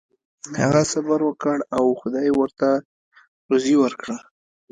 هغه صبر وکړ او خدای ورته روزي ورکړه.